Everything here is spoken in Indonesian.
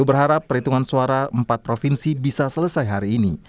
berharap perhitungan suara empat provinsi bisa selesai hari ini